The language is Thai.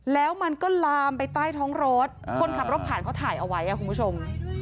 แล้วมันก็ลามไปใต้ท้องรถคนขับรถผ่านเขาถ่ายเอาไว้คุณผู้ชม